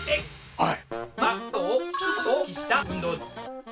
はい。